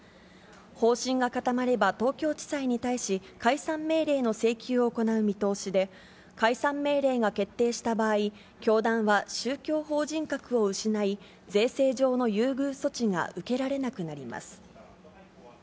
方針が固まれば、東京地裁に対し、解散命令の請求を行う見通しで、解散命令が決定した場合、教団は宗教法人格を失い、税制上の優遇措置が受けられなくなります。